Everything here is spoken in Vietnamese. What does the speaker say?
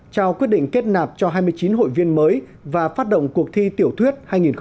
trao quyết định kết nạp cho hai mươi chín hội viên mới và phát động cuộc thi tiểu thuyết hai nghìn một mươi bảy hai nghìn hai mươi